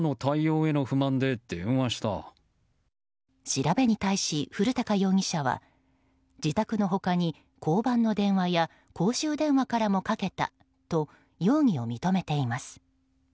調べに対し、古高容疑者は自宅の他に交番の電話や公衆電話からもかけたと容疑を認めています。